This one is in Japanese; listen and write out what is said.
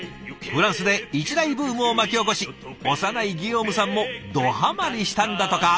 フランスで一大ブームを巻き起こし幼いギヨームさんもどハマりしたんだとか。